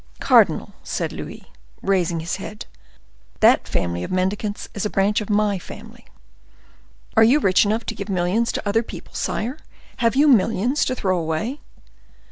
"Cardinal," said Louis, raising his head, "that family of mendicants is a branch of my family." "Are you rich enough to give millions to other people, sire? Have you millions to throw away?"